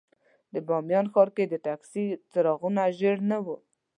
د بامیان ښار کې د ټکسي رنګونه ژېړ نه وو.